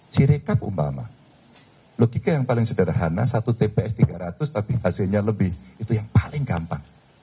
ciricap umpama logika yang paling sederhana satu tps tiga ratus tapi hasilnya lebih itu yang paling gampang